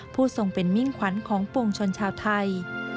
ผู้ทรงเป็นมิ่งขวัญของปวงชนชาวไทย